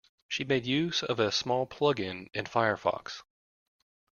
She made use of a small plug-in in Firefox